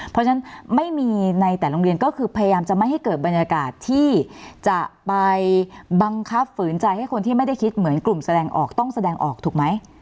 เพราะฉะนั้นไม่มีในแต่โรงเรียนก็คือพยายามจะไม่ให้เกิดบรรยากาศที่จะไปบังคับฝืนใจให้คนที่ไม่ได้คิดเหมือนกลุ่มแสดงออกต้องแสดงออกถูกไหม